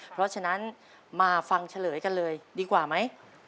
เพราะฉะนั้นมาฟังเฉลยกันเลยดีกว่าไหม